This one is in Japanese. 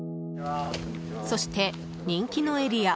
そして人気のエリア